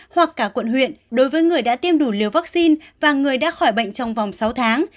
hoặc cả quận huyện đối với người đã tiêm đủ liều vaccine và người đã khỏi bệnh trong vòng sáu tháng